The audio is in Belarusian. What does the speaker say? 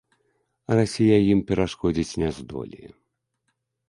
Расія ім перашкодзіць не здолее.